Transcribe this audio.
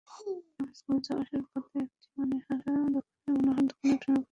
চম্পাবু স্কুলে যাওয়া-আসার পথে একটি মনিহারি দোকানের মনোহর দোকানদারের প্রেমে পড়েছিল।